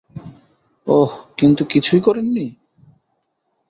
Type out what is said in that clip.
ওহ, কিন্তু কিছুই করেননি?